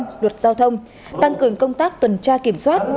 tăng cường luật giao thông tăng cường công tác tuần tra kiểm soát